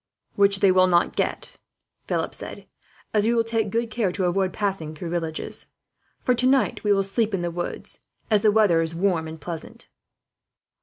"Which they will not get," Philip said, "as we will take good care to avoid passing through villages. For tonight we will sleep in the woods, as the weather is warm and pleasant."